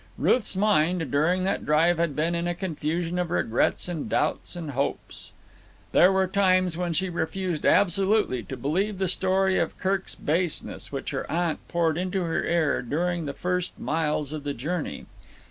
Ruth's mind during that drive had been in a confusion of regrets and doubts and hopes. There were times when she refused absolutely to believe the story of Kirk's baseness which her aunt poured into her ear during the first miles of the journey.